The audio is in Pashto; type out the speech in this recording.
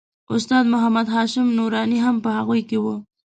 استاد محمد هاشم نوراني هم په هغوی کې و.